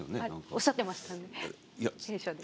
おっしゃってましたね弊社で。